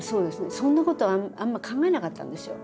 そんなことあんま考えなかったんですよ。